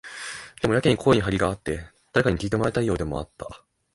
でも、やけに声に張りがあって、誰かに聞いてもらいたいようでもあった。